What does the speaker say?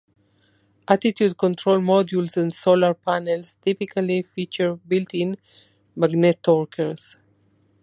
Attitude-control modules and solar panels typically feature built-in magnetorquers.